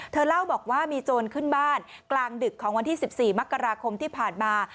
เล่าบอกว่ามีโจรขึ้นบ้านกลางดึกของวันที่๑๔มกราคมที่ผ่านมา